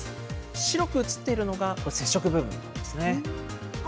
白く映っているのが、接触部分ですね。